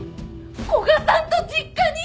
古賀さんと実家に！？